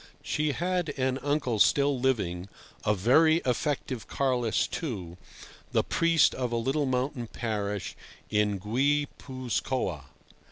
She had an uncle still living, a very effective Carlist, too, the priest of a little mountain parish in Guipuzcoa.